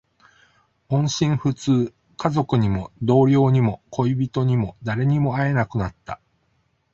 音信不通。家族にも、同僚にも、恋人にも、誰にも会えなくなった。